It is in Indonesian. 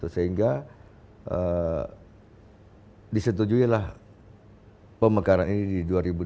sehingga disetujui lah pemekaran ini di dua ribu dua belas